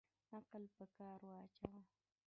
عقل په کار واچوه